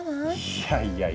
いやいやいや。